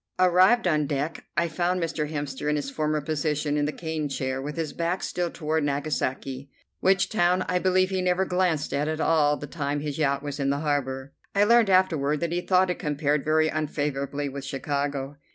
Arrived on deck I found Mr. Hemster in his former position in the cane chair, with his back still toward Nagasaki, which town I believe he never glanced at all the time his yacht was in harbor. I learned afterward that he thought it compared very unfavorably with Chicago.